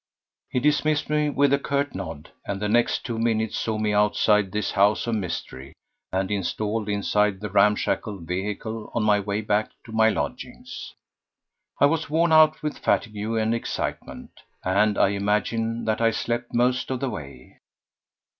He dismissed me with a curt nod, and the next two minutes saw me outside this house of mystery and installed inside the ramshackle vehicle on my way back to my lodgings. I was worn out with fatigue and excitement, and I imagine that I slept most of the way.